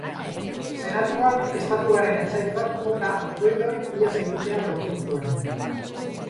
Senatuak estatuaren etsaitzat jota, doi doi ihes egitea lortu zuen.